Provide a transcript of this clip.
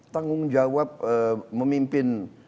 tanggung jawab memimpin